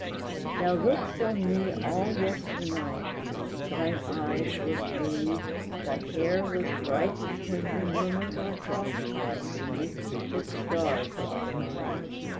Thou look'dst on me all yesternight, Thine eyes were blue, thy hair was bright As when we murmured our troth plight Beneath the thick stars, Rosaline!